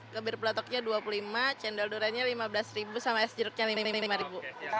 ke bir peletoknya rp dua puluh lima cendol dorennya rp lima belas sama es jeruknya rp lima puluh lima